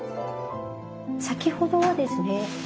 先ほどはですね